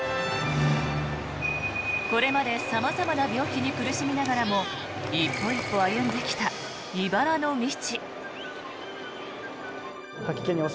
これまで様々な病気に苦しみながらも一歩一歩歩んできたいばらの道。